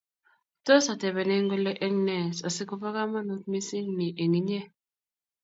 Tos, atebenin kole eng ne asigoba kamanuut missing ni eng inye